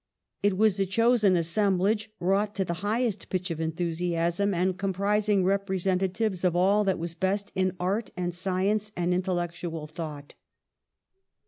It was a chosen assemblage, wrought to the highest pitch of enthusiasm, and comprising representatives of all that was best in art and science and intellectual thought.